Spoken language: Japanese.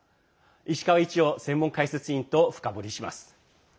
石川一洋専門解説委員と深掘りします。